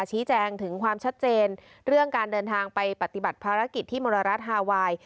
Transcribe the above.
ชี้แจงถึงความชัดเจนเรื่องการเดินทางไปปฏิบัติภารกิจที่มรรัฐฮาไวน์